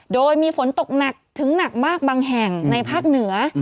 โดยมีฝนตกหนักถึงหนักมากบางแห่งในภาคเหนือ